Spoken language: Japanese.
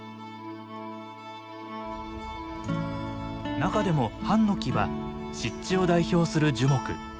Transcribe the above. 中でもハンノキは湿地を代表する樹木。